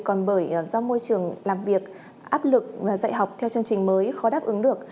còn bởi do môi trường làm việc áp lực dạy học theo chương trình mới khó đáp ứng được